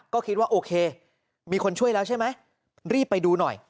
ก็คิดว่าโอเคมีคนช่วยแล้วใช่ไหมรีบไปดูหน่อย